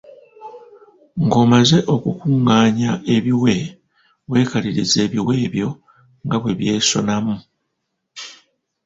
Ng’omaze okukungaanya ebiwe, weekalirize ebiwe ebyo nga bwe byesonamu.